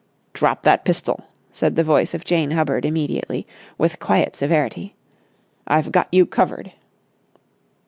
"Drop that pistol!" said the voice of Jane Hubbard immediately, with quiet severity. "I've got you covered!"